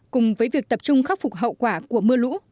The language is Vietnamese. cùng với việc tập trung khắc phục hậu quả của mưa lũ